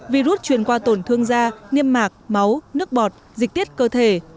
virus truyền qua tổn thương da niêm mạc máu nước bọt dịch tiết cơ thể